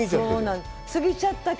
過ぎちゃってる？